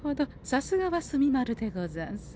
さすがは墨丸でござんす。